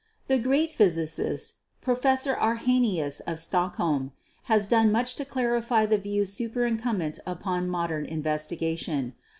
The great physicist, Professor Arrhenius of Stockholm, has done much to clarify the views superincumbent upon modern investigation.